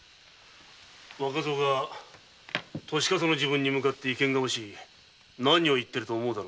若僧が年かさの自分に向かって意見がましい何を言ってると思うだろうが。